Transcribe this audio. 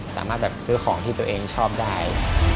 สามารถแบบซื้อของที่ตัวเองชอบได้